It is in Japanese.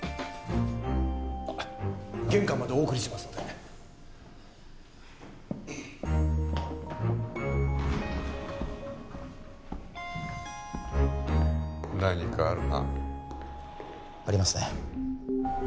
玄関までお送りしますので何かあるなありますね